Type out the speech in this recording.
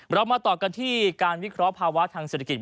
เรามาต่อกันที่การวิเคราะห์ภาวะทางเศรษฐกิจ